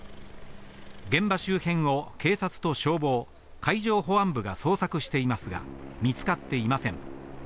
現場周辺を警察と消防、海上保安部が捜索していますが、見つかっていません。